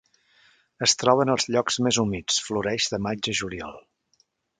Es troba en els llocs més humits, floreix de maig a juliol.